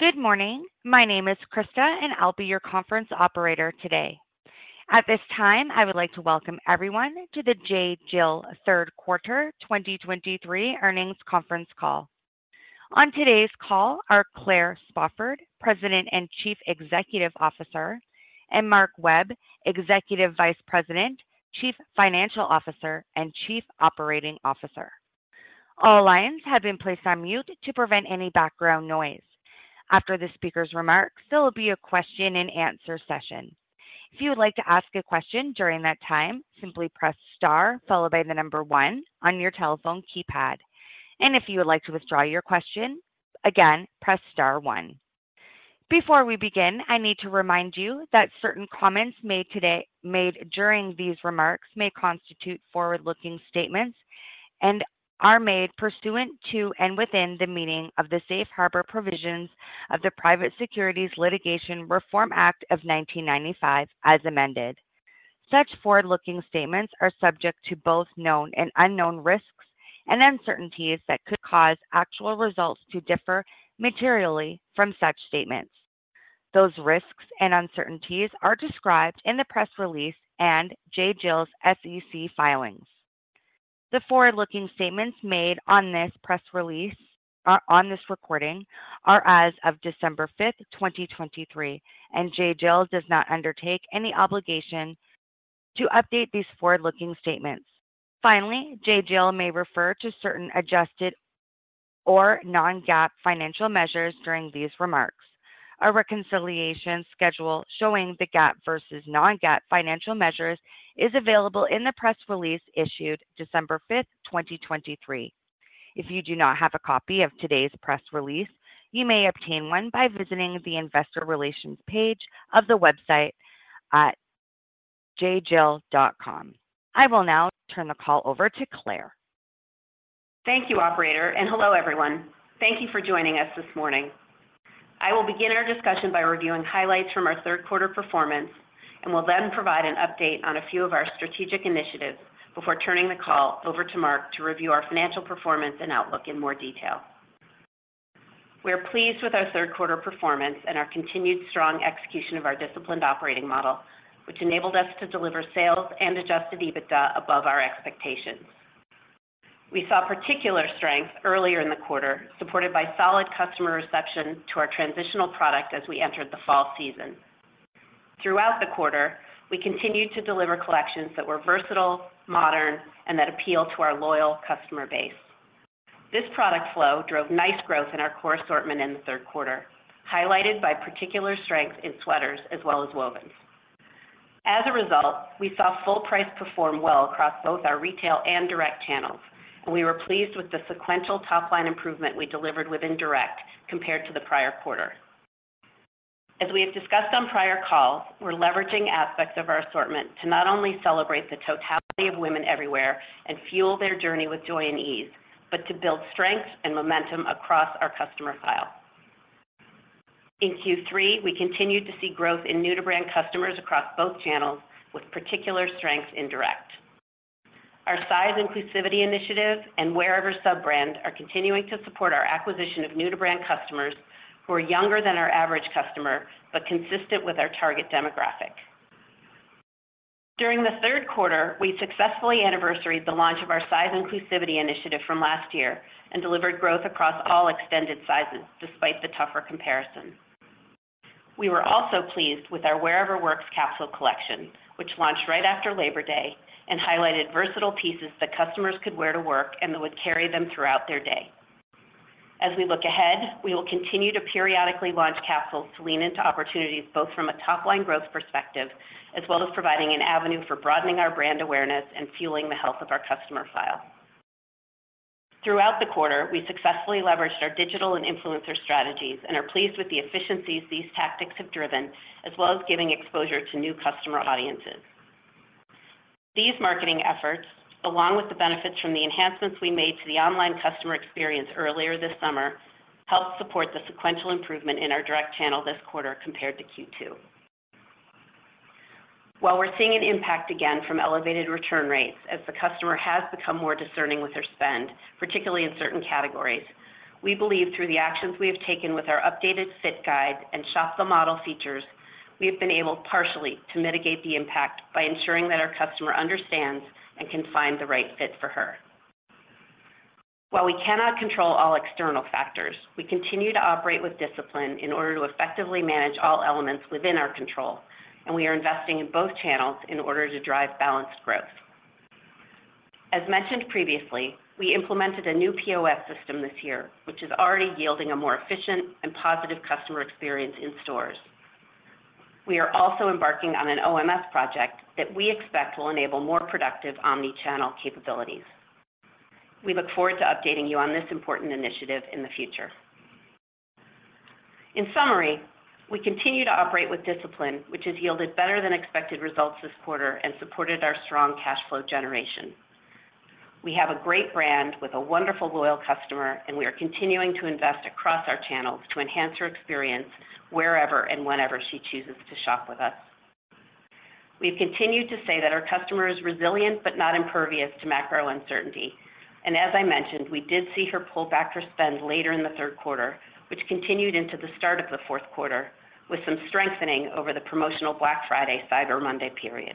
Good morning. My name is Krista, and I'll be your conference operator today. At this time, I would like to welcome everyone to the J.Jill Third Quarter 2023 Earnings Conference Call. On today's call are Claire Spofford, President and Chief Executive Officer, and Mark Webb, Executive Vice President, Chief Financial Officer, and Chief Operating Officer. All lines have been placed on mute to prevent any background noise. After the speaker's remarks, there will be a question-and-answer session. If you would like to ask a question during that time, simply press star, followed by the number one on your telephone keypad. If you would like to withdraw your question, again, press star one. Before we begin, I need to remind you that certain comments made today. made during these remarks may constitute forward-looking statements and are made pursuant to and within the meaning of the Safe Harbor provisions of the Private Securities Litigation Reform Act of 1995, as amended. Such forward-looking statements are subject to both known and unknown risks and uncertainties that could cause actual results to differ materially from such statements. Those risks and uncertainties are described in the press release and J.Jill's SEC filings. The forward-looking statements made in this press release and on this recording are as of December 5th, 2023, and J.Jill does not undertake any obligation to update these forward-looking statements. Finally, J.Jill may refer to certain adjusted or non-GAAP financial measures during these remarks. A reconciliation schedule showing the GAAP versus non-GAAP financial measures is available in the press release issued December 5th, 2023. If you do not have a copy of today's press release, you may obtain one by visiting the investor relations page of the website at jjill.com. I will now turn the call over to Claire. Thank you, operator, and hello, everyone. Thank you for joining us this morning. I will begin our discussion by reviewing highlights from our third quarter performance, and will then provide an update on a few of our strategic initiatives before turning the call over to Mark to review our financial performance and outlook in more detail. We are pleased with our third quarter performance and our continued strong execution of our disciplined operating model, which enabled us to deliver sales and Adjusted EBITDA above our expectations. We saw particular strength earlier in the quarter, supported by solid customer reception to our transitional product as we entered the fall season. Throughout the quarter, we continued to deliver collections that were versatile, modern, and that appeal to our loyal customer base. This product flow drove nice growth in our core assortment in the third quarter, highlighted by particular strength in sweaters as well as wovens. As a result, we saw full price perform well across both our retail and direct channels, and we were pleased with the sequential top-line improvement we delivered within direct compared to the prior quarter. As we have discussed on prior calls, we're leveraging aspects of our assortment to not only celebrate the totality of women everywhere and fuel their journey with joy and ease, but to build strength and momentum across our customer file. In Q3, we continued to see growth in new-to-brand customers across both channels, with particular strength in direct. Our size inclusivity initiative and Wherever sub-brand are continuing to support our acquisition of new to brand customers who are younger than our average customer, but consistent with our target demographic. During the third quarter, we successfully anniversaried the launch of our size inclusivity initiative from last year and delivered growth across all extended sizes despite the tougher comparison. We were also pleased with our Wherever Works capsule collection, which launched right after Labor Day and highlighted versatile pieces that customers could wear to work and that would carry them throughout their day. As we look ahead, we will continue to periodically launch capsules to lean into opportunities, both from a top-line growth perspective, as well as providing an avenue for broadening our brand awareness and fueling the health of our customer file. Throughout the quarter, we successfully leveraged our digital and influencer strategies and are pleased with the efficiencies these tactics have driven, as well as giving exposure to new customer audiences. These marketing efforts, along with the benefits from the enhancements we made to the online customer experience earlier this summer, helped support the sequential improvement in our direct channel this quarter compared to Q2. While we're seeing an impact again from elevated return rates, as the customer has become more discerning with their spend, particularly in certain categories, we believe through the actions we have taken with our updated fit guide and Shop the Model features, we have been able partially to mitigate the impact by ensuring that our customer understands and can find the right fit for her. While we cannot control all external factors, we continue to operate with discipline in order to effectively manage all elements within our control, and we are investing in both channels in order to drive balanced growth. As mentioned previously, we implemented a new POS system this year, which is already yielding a more efficient and positive customer experience in stores. We are also embarking on an OMS project that we expect will enable more productive omni-channel capabilities. We look forward to updating you on this important initiative in the future. In summary, we continue to operate with discipline, which has yielded better than expected results this quarter and supported our strong cash flow generation. We have a great brand with a wonderful, loyal customer, and we are continuing to invest across our channels to enhance her experience wherever and whenever she chooses to shop with us. We've continued to say that our customer is resilient but not impervious to macro uncertainty, and as I mentioned, we did see her pull back her spend later in the third quarter, which continued into the start of the fourth quarter, with some strengthening over the promotional Black Friday, Cyber Monday period.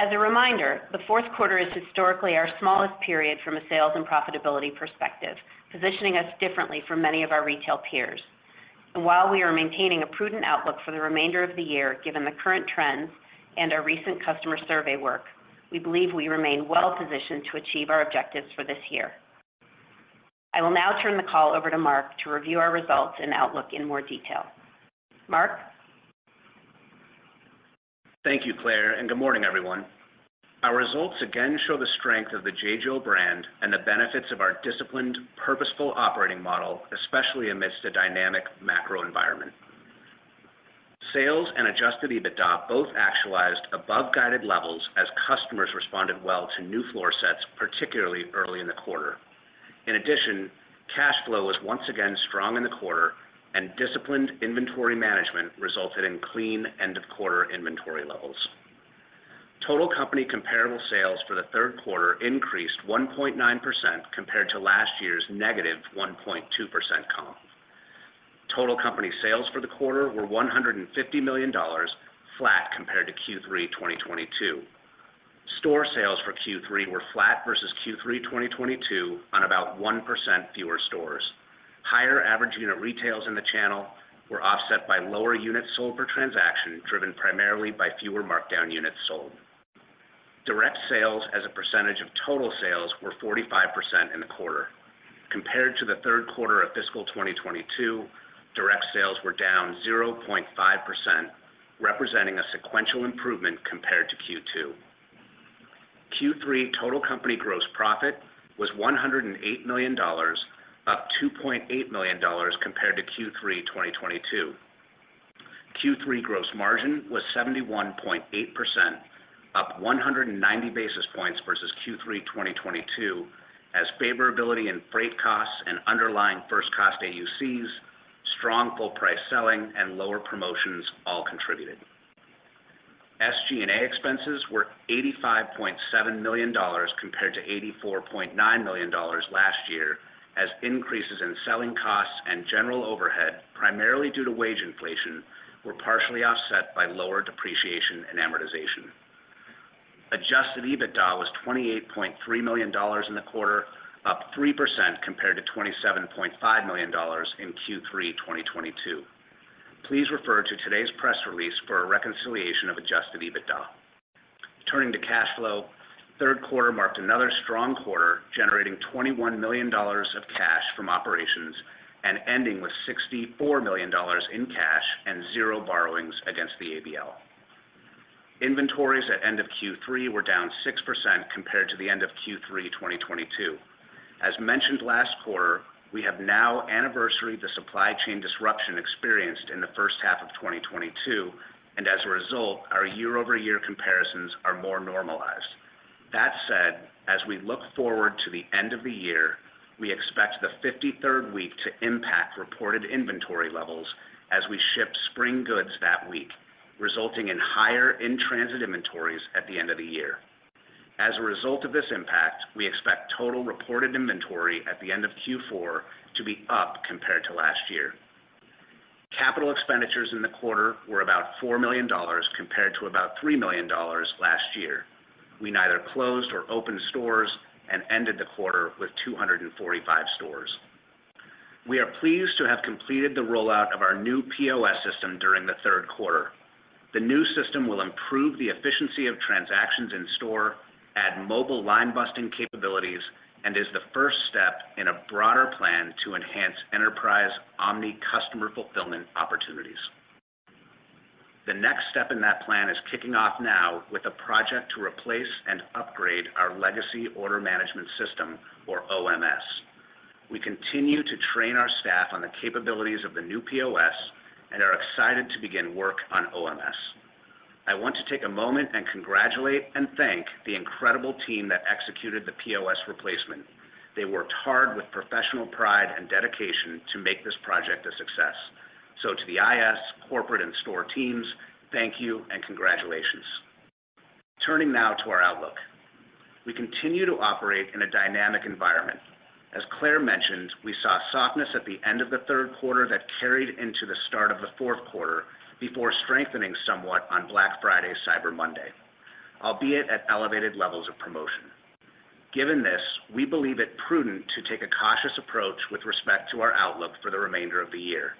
As a reminder, the fourth quarter is historically our smallest period from a sales and profitability perspective, positioning us differently from many of our retail peers. While we are maintaining a prudent outlook for the remainder of the year, given the current trends and our recent customer survey work, we believe we remain well positioned to achieve our objectives for this year. I will now turn the call over to Mark to review our results and outlook in more detail. Mark? Thank you, Claire, and good morning, everyone. Our results again show the strength of the J.Jill brand and the benefits of our disciplined, purposeful operating model, especially amidst a dynamic macro environment. Sales and Adjusted EBITDA both actualized above guided levels as customers responded well to new floor sets, particularly early in the quarter. In addition, cash flow was once again strong in the quarter and disciplined inventory management resulted in clean end-of-quarter inventory levels. Total company comparable sales for the third quarter increased 1.9% compared to last year's -1.2% comp. Total company sales for the quarter were $150 million, flat compared to Q3 2022. Store sales for Q3 were flat versus Q3 2022 on about 1% fewer stores. Higher average unit retails in the channel were offset by lower units sold per transaction, driven primarily by fewer markdown units sold. Direct sales as a percentage of total sales were 45% in the quarter. Compared to the third quarter of FY 2022, direct sales were down 0.5%, representing a sequential improvement compared to Q2. Q3 total company gross profit was $108 million, up $2.8 million compared to Q3 2022. Q3 gross margin was 71.8%, up 190 basis points versus Q3 2022, as favorability in freight costs and underlying first cost AUCs, strong full price selling, and lower promotions all contributed. SG&A expenses were $85.7 million compared to $84.9 million last year, as increases in selling costs and general overhead, primarily due to wage inflation, were partially offset by lower depreciation and amortization. Adjusted EBITDA was $28.3 million in the quarter, up 3% compared to $27.5 million in Q3 2022. Please refer to today's press release for a reconciliation of Adjusted EBITDA. Turning to cash flow, third quarter marked another strong quarter, generating $21 million of cash from operations and ending with $64 million in cash and zero borrowings against the ABL. Inventories at end of Q3 were down 6% compared to the end of Q3 2022. As mentioned last quarter, we have now passed the anniversary of the supply chain disruption experienced in the first half of 2022, and as a result, our year-over-year comparisons are more normalized. That said, as we look forward to the end of the year, we expect the 53rd week to impact reported inventory levels as we ship spring goods that week, resulting in higher in-transit inventories at the end of the year. As a result of this impact, we expect total reported inventory at the end of Q4 to be up compared to last year. Capital expenditures in the quarter were about $4 million, compared to about $3 million last year. We neither closed nor opened stores and ended the quarter with 245 stores. We are pleased to have completed the rollout of our new POS system during the third quarter. The new system will improve the efficiency of transactions in-store, add mobile line-busting capabilities, and is the first step in a broader plan to enhance enterprise omni customer fulfillment opportunities. The next step in that plan is kicking off now with a project to replace and upgrade our legacy order management system or OMS. We continue to train our staff on the capabilities of the new POS and are excited to begin work on OMS. I want to take a moment and congratulate and thank the incredible team that executed the POS replacement. They worked hard with professional pride and dedication to make this project a success. So to the IS, corporate, and store teams, thank you and congratulations. Turning now to our outlook. We continue to operate in a dynamic environment. As Claire mentioned, we saw softness at the end of the third quarter that carried into the start of the fourth quarter before strengthening somewhat on Black Friday, Cyber Monday, albeit at elevated levels of promotion. Given this, we believe it prudent to take a cautious approach with respect to our outlook for the remainder of the year.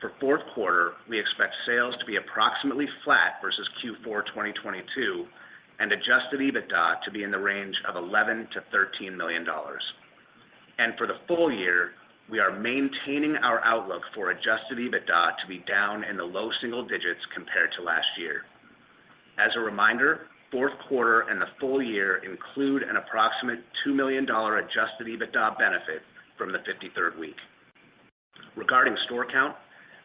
For fourth quarter, we expect sales to be approximately flat versus Q4 2022, and Adjusted EBITDA to be in the range of $11 million-$13 million. For the full year, we are maintaining our outlook for Adjusted EBITDA to be down in the low single digits compared to last year. As a reminder, fourth quarter and the full year include an approximate $2 million Adjusted EBITDA benefit from the 53rd week. Regarding store count,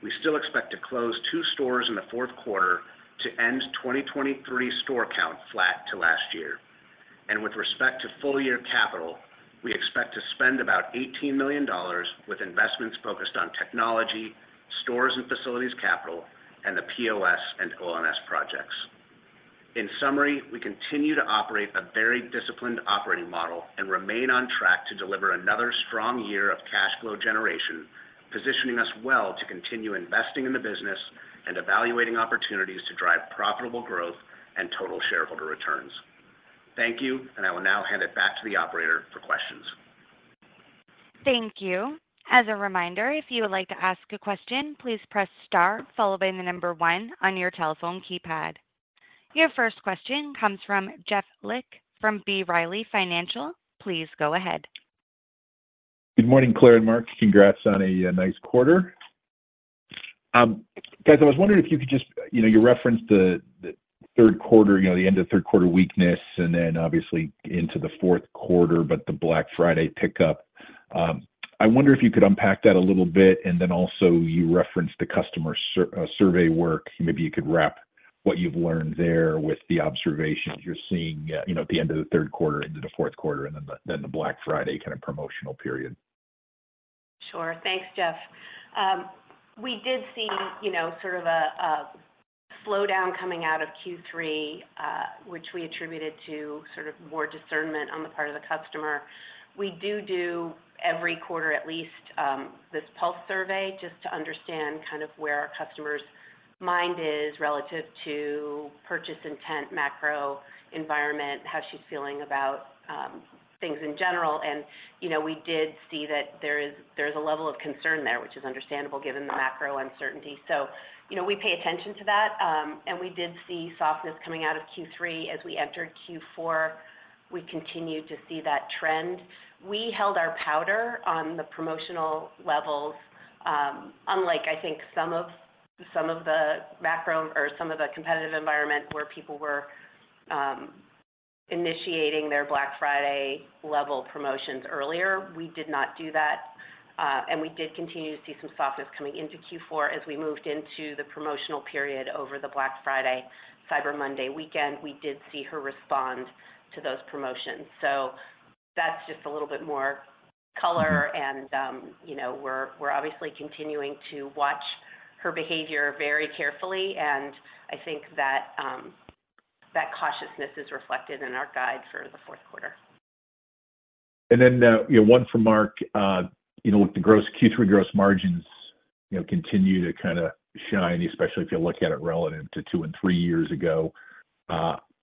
we still expect to close two stores in the fourth quarter to end 2023 store count flat to last year. And with respect to full year capital, we expect to spend about $18 million, with investments focused on technology, stores and facilities capital, and the POS and OMS projects. In summary, we continue to operate a very disciplined operating model and remain on track to deliver another strong year of cash flow generation, positioning us well to continue investing in the business and evaluating opportunities to drive profitable growth and total shareholder returns. Thank you, and I will now hand it back to the operator for questions. Thank you. As a reminder, if you would like to ask a question, please press star followed by the number one on your telephone keypad. Your first question comes from Jeff Lick from B. Riley Financial. Please go ahead. Good morning, Claire and Mark. Congrats on a nice quarter. Guys, I was wondering if you could just. You know, you referenced the third quarter, you know, the end of third quarter weakness, and then obviously into the fourth quarter, but the Black Friday pickup. I wonder if you could unpack that a little bit, and then also you referenced the customer survey work. Maybe you could wrap what you've learned there with the observations you're seeing, you know, at the end of the third quarter into the fourth quarter, and then the Black Friday kinda promotional period. Sure. Thanks, Jeff. We did see, you know, sort of a slowdown coming out of Q3, which we attributed to sort of more discernment on the part of the customer. We do do every quarter at least, this pulse survey, just to understand kind of where our customer's mind is relative to purchase intent, macro environment, how she's feeling about, things in general. And, you know, we did see that there is a level of concern there, which is understandable given the macro uncertainty. So, you know, we pay attention to that. And we did see softness coming out of Q3. As we entered Q4, we continued to see that trend. We held our powder on the promotional levels, unlike, I think some of, some of the macro or some of the competitive environment, where people were initiating their Black Friday level promotions earlier. We did not do that, and we did continue to see some softness coming into Q4. As we moved into the promotional period over the Black Friday/Cyber Monday weekend, we did see her respond to those promotions. So that's just a little bit more color and, you know, we're, we're obviously continuing to watch her behavior very carefully, and I think that that cautiousness is reflected in our guide for the fourth quarter. Then, you know, one for Mark. You know, with the gross Q3 gross margins, you know, continue to kinda shine, especially if you look at it relative to two and three years ago.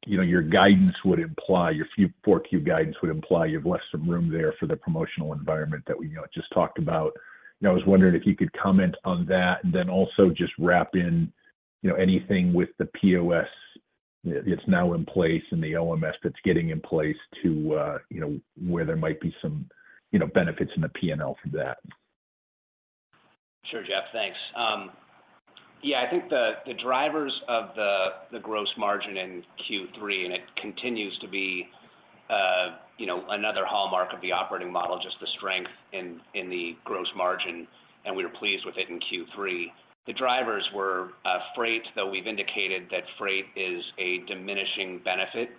You know, your guidance would imply, your FY Q4 guidance would imply you have left some room there for the promotional environment that we, you know, just talked about. And I was wondering if you could comment on that, and then also just wrap in, you know, anything with the POS that's now in place and the OMS that's getting in place to, you know, where there might be some, you know, benefits in the P&L from that. Sure, Jeff, thanks. Yeah, I think the drivers of the gross margin in Q3, and it continues to be, you know, another hallmark of the operating model, just the strength in the gross margin, and we were pleased with it in Q3. The drivers were freight, though we've indicated that freight is a diminishing benefit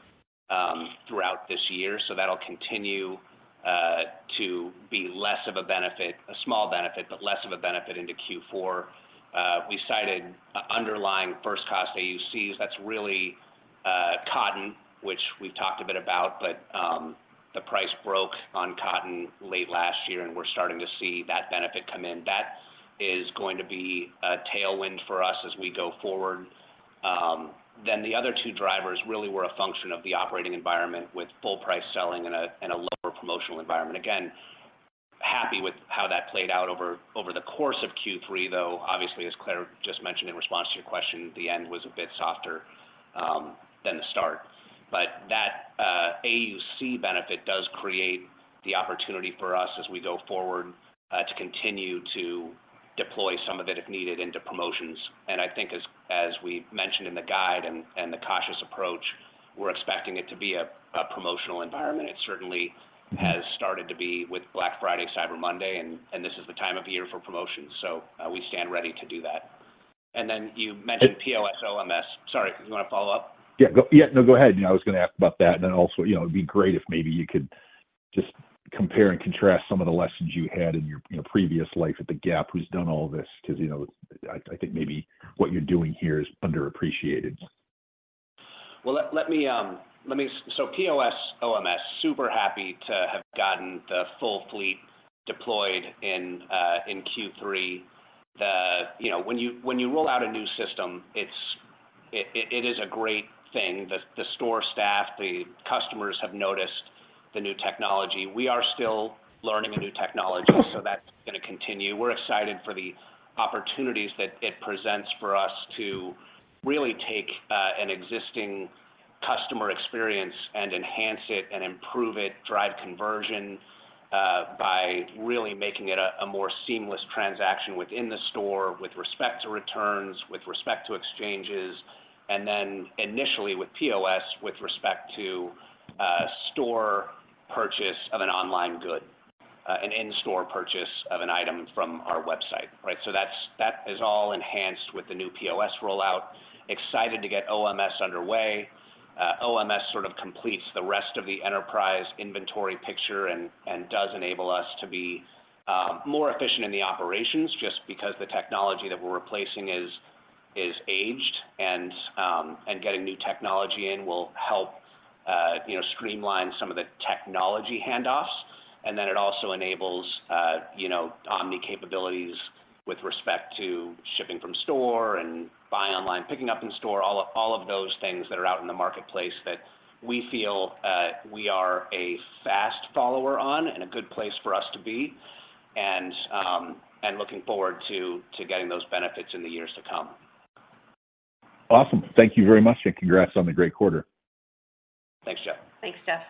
throughout this year, so that'll continue to be less of a benefit, a small benefit, but less of a benefit into Q4. We cited underlying first-cost AUCs. That's really cotton, which we've talked a bit about, but the price broke on cotton late last year, and we're starting to see that benefit come in. That is going to be a tailwind for us as we go forward. Then the other two drivers really were a function of the operating environment with full price selling and a, in a lower promotional environment. Again, happy with how that played out over, over the course of Q3, though, obviously, as Claire just mentioned in response to your question, the end was a bit softer, than the start. But that, AUC benefit does create the opportunity for us as we go forward, to continue to deploy some of it, if needed, into promotions. And I think as, as we've mentioned in the guide and, and the cautious approach, we're expecting it to be a, a promotional environment. It certainly has started to be with Black Friday, Cyber Monday, and, and this is the time of year for promotions, so, we stand ready to do that. And then you mentioned POS, OMS. Sorry, you wanna follow up? Yeah, no, go ahead. You know, I was gonna ask about that, and then also, you know, it'd be great if maybe you could just compare and contrast some of the lessons you had in your, you know, previous life at the Gap, who's done all this. Because, you know, I think maybe what you're doing here is underappreciated. Well, let me so POS, OMS, super happy to have gotten the full fleet deployed in in Q3. You know, when you roll out a new system, it's a great thing. The store staff, the customers have noticed the new technology. We are still learning a new technology, so that's gonna continue. We're excited for the opportunities that it presents for us to really take an existing customer experience and enhance it and improve it, drive conversion by really making it a more seamless transaction within the store, with respect to returns, with respect to exchanges, and then initially with POS, with respect to store purchase of an online good, an in-store purchase of an item from our website, right? So that's all enhanced with the new POS rollout. Excited to get OMS underway. OMS sort of completes the rest of the enterprise inventory picture and does enable us to be more efficient in the operations, just because the technology that we're replacing is aged, and getting new technology in will help you know streamline some of the technology handoffs. And then it also enables you know omni capabilities with respect to shipping from store and buy online, picking up in store, all of those things that are out in the marketplace that we feel we are a fast follower on and a good place for us to be. And looking forward to getting those benefits in the years to come. Awesome. Thank you very much, and congrats on the great quarter. Thanks, Jeff. Thanks, Jeff.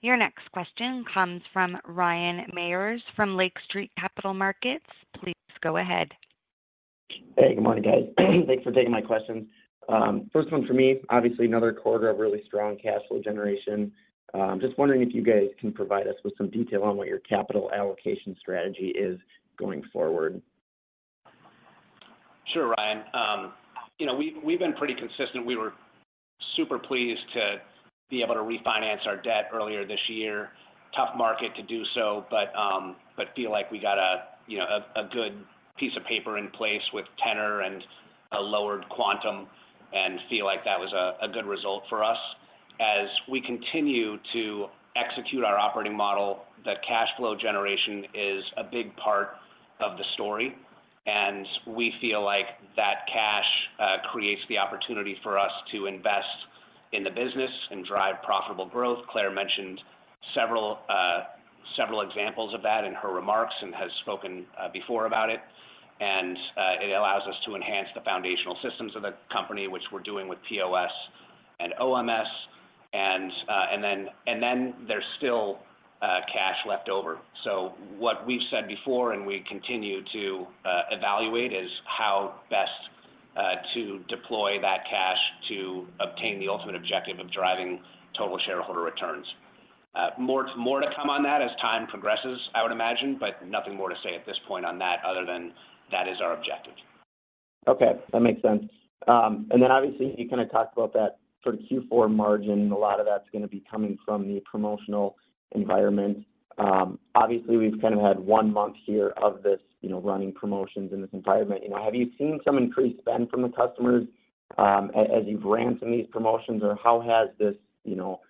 Your next question comes from Ryan Meyers, from Lake Street Capital Markets. Please go ahead. Hey, good morning, guys. Thanks for taking my questions. First one for me, obviously another quarter of really strong cash flow generation. Just wondering if you guys can provide us with some detail on what your capital allocation strategy is going forward? Sure, Ryan. You know, we've been pretty consistent. We were super pleased to be able to refinance our debt earlier this year. Tough market to do so, but feel like we got a, you know, a good piece of paper in place with tenor and a lowered quantum, and feel like that was a good result for us. As we continue to execute our operating model, the cash flow generation is a big part of the story, and we feel like that cash creates the opportunity for us to invest in the business and drive profitable growth. Claire mentioned several examples of that in her remarks and has spoken before about it. It allows us to enhance the foundational systems of the company, which we're doing with POS and OMS, and, and then, and then there's still cash left over. So what we've said before, and we continue to evaluate, is how best to deploy that cash to obtain the ultimate objective of driving total shareholder returns. More, more to come on that as time progresses, I would imagine, but nothing more to say at this point on that other than that is our objective. Okay, that makes sense. And then obviously, you kinda talked about that sort of Q4 margin. A lot of that's gonna be coming from the promotional environment. Obviously, we've kind of had one month here of this, you know, running promotions in this environment. You know, have you seen some increased spend from the customers, as you've ran some of these promotions? Or how has this, you know,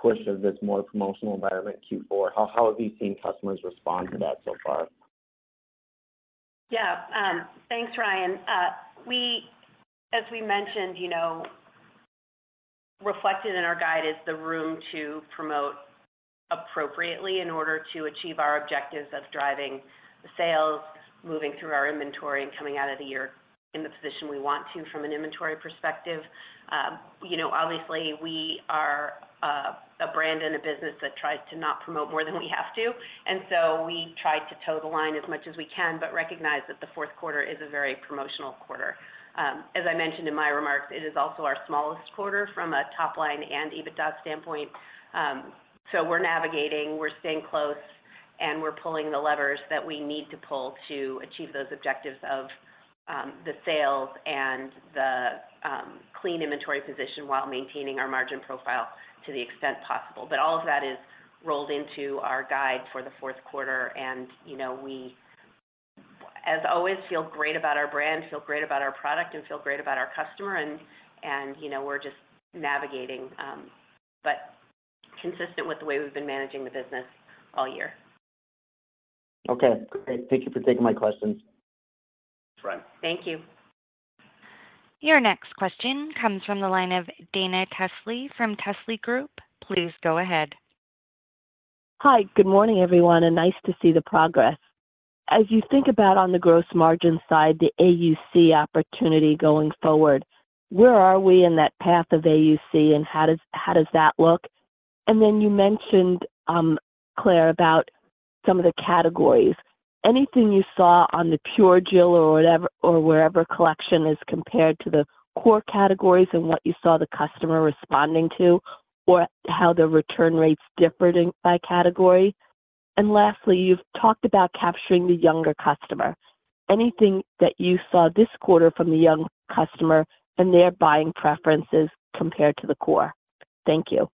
push of this more promotional environment in Q4, how have you seen customers respond to that so far? Yeah. Thanks, Ryan. As we mentioned, you know, reflected in our guide, is the room to promote appropriately in order to achieve our objectives of driving the sales, moving through our inventory and coming out of the year in the position we want to, from an inventory perspective. You know, obviously, we are a brand and a business that tries to not promote more than we have to, and so we try to toe the line as much as we can, but recognize that the fourth quarter is a very promotional quarter. As I mentioned in my remarks, it is also our smallest quarter from a top line and EBITDA standpoint. So we're navigating, we're staying close, and we're pulling the levers that we need to pull to achieve those objectives of the sales and the clean inventory position while maintaining our margin profile to the extent possible. But all of that is rolled into our guide for the fourth quarter, and, you know, we, as always, feel great about our brand, feel great about our product, and feel great about our customer. And, you know, we're just navigating, but consistent with the way we've been managing the business all year. Okay, great. Thank you for taking my questions. Thanks, Ryan. Thank you. Your next question comes from the line of Dana Telsey from Telsey Advisory Group. Please go ahead. Hi, good morning, everyone, and nice to see the progress. As you think about on the gross margin side, the AUC opportunity going forward, where are we in that path of AUC, and how does that look? And then you mentioned, Claire, about some of the categories. Anything you saw on the Pure Jill or whatever, or Wherever collection is compared to the core categories and what you saw the customer responding to, or how the return rates differed in by category? And lastly, you've talked about capturing the younger customer. Anything that you saw this quarter from the young customer and their buying preferences compared to the core? Thank you.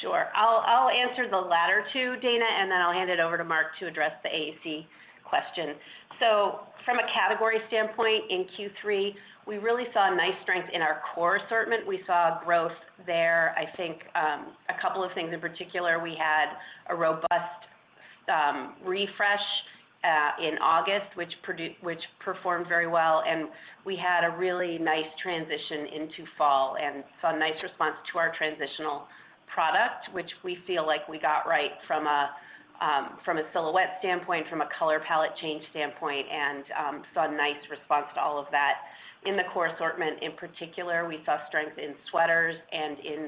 Sure. I'll answer the latter two, Dana, and then I'll hand it over to Mark to address the AUC question. So from a category standpoint, in Q3, we really saw a nice strength in our core assortment. We saw growth there. I think, a couple of things in particular, we had a robust, refresh, in August, which performed very well, and we had a really nice transition into fall and saw a nice response to our transitional product, which we feel like we got right from a, from a silhouette standpoint, from a color palette change standpoint, and, saw a nice response to all of that. In the core assortment, in particular, we saw strength in sweaters and in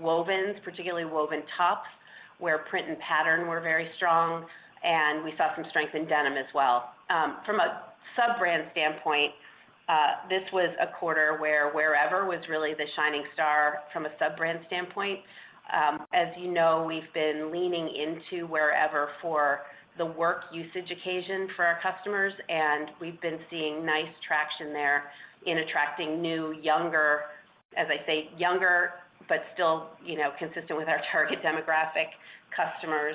wovens, particularly woven tops, where print and pattern were very strong, and we saw some strength in denim as well. From a sub-brand standpoint, this was a quarter where Wherever was really the shining star from a sub-brand standpoint. As you know, we've been leaning into Wherever for the work usage occasion for our customers, and we've been seeing nice traction there in attracting new, younger, as I say, younger, but still, you know, consistent with our target demographic customers.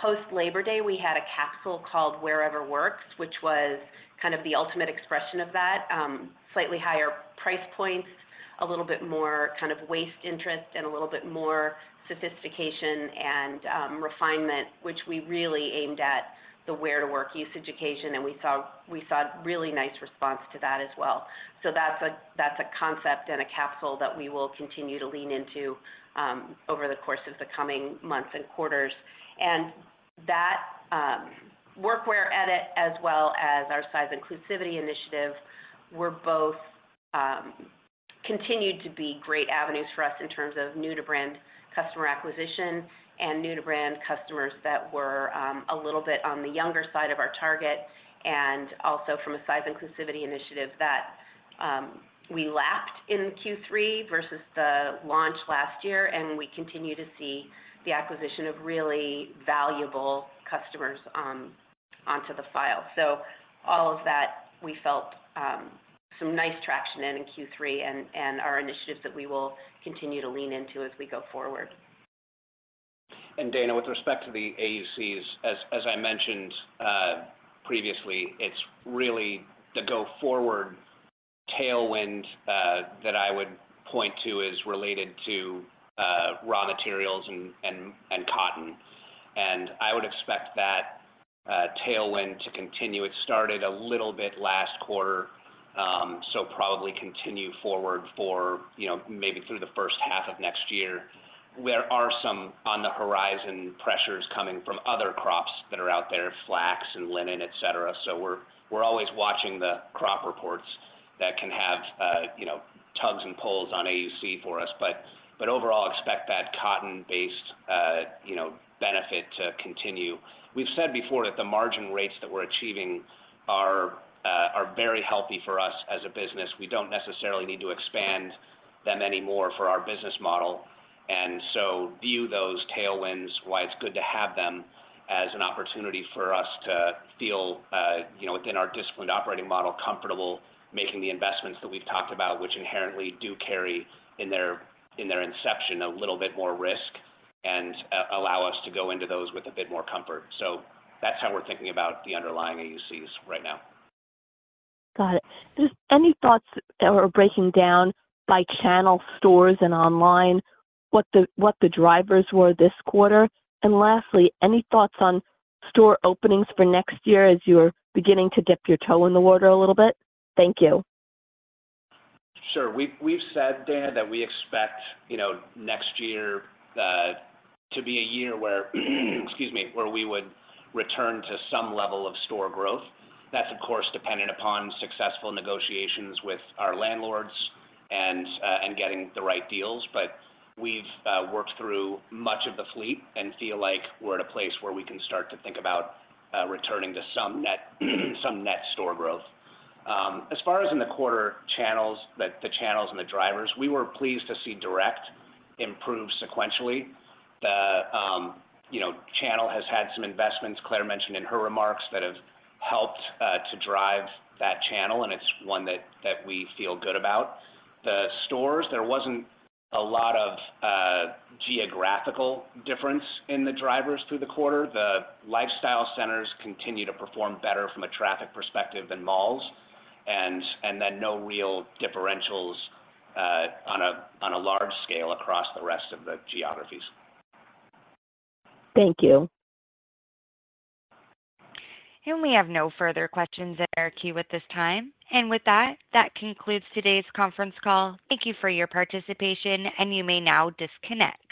Post-Labor Day, we had a capsule called Wherever Works, which was kind of the ultimate expression of that. Slightly higher price points, a little bit more kind of waist interest, and a little bit more sophistication and refinement, which we really aimed at the where to work usage occasion, and we saw, we saw a really nice response to that as well. So that's a concept and a capsule that we will continue to lean into over the course of the coming months and quarters. And that Workwear Edit, as well as our size inclusivity initiative, were both continued to be great avenues for us in terms of new-to-brand customer acquisition and new-to-brand customers that were a little bit on the younger side of our target, and also from a size inclusivity initiative that we lapped in Q3 versus the launch last year, and we continue to see the acquisition of really valuable customers onto the file. So all of that, we felt, some nice traction in Q3 and our initiatives that we will continue to lean into as we go forward. Dana, with respect to the AUCs, as I mentioned previously, it's really the go-forward tailwind that I would point to as related to raw materials and cotton. I would expect that tailwind to continue. It started a little bit last quarter, so probably continue forward for, you know, maybe through the first half of next year. There are some on-the-horizon pressures coming from other crops that are out there, flax and linen, et cetera. So we're always watching the crop reports that can have, you know, tugs and pulls on AUC for us. But overall, expect that cotton-based benefit to continue. We've said before that the margin rates that we're achieving are very healthy for us as a business. We don't necessarily need to expand them anymore for our business model, and so view those tailwinds, why it's good to have them as an opportunity for us to feel, you know, within our disciplined operating model, comfortable making the investments that we've talked about, which inherently do carry in their, in their inception, a little bit more risk and allow us to go into those with a bit more comfort. So that's how we're thinking about the underlying AUCs right now. Got it. Just any thoughts that were breaking down by channel stores and online, what the drivers were this quarter? And lastly, any thoughts on store openings for next year as you are beginning to dip your toe in the water a little bit? Thank you. Sure. We've said, Dana, that we expect, you know, next year to be a year where, excuse me, where we would return to some level of store growth. That's, of course, dependent upon successful negotiations with our landlords and getting the right deals, but we've worked through much of the fleet and feel like we're at a place where we can start to think about returning to some net store growth. As far as in the quarter channels, the channels and the drivers, we were pleased to see direct improve sequentially. The, you know, channel has had some investments Claire mentioned in her remarks that have helped to drive that channel, and it's one that we feel good about. The stores, there wasn't a lot of geographical difference in the drivers through the quarter. The lifestyle centers continue to perform better from a traffic perspective than malls, and then no real differentials on a large scale across the rest of the geographies. Thank you. We have no further questions in our queue at this time. With that, that concludes today's conference call. Thank you for your participation, and you may now disconnect.